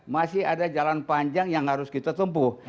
masih ada jalan panjang yang harus kita tempuh